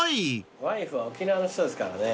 ワイフは沖縄の人ですからね。